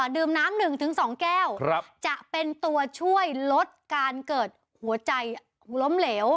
ดื่มน้ำ๑๒แก้วจะเป็นตัวช่วยลดการเกิดหัวใจล้มเหลว